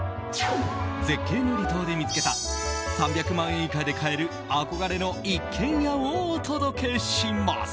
絶景の離島で見つけた３００万円以下で買える憧れの一軒家をお届けします。